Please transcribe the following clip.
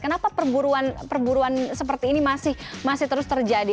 kenapa perburuan seperti ini masih terus terjadi